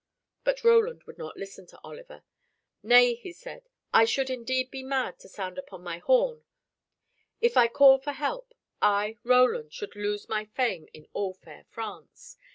But Roland would not listen to Oliver. "Nay," he said, "I should indeed be mad to sound upon my horn. If I call for help, I, Roland, I should lose my fame in all fair France.